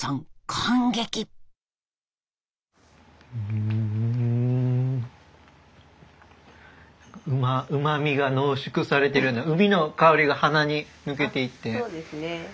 うまみが濃縮されてるような海の香りが鼻に抜けていって。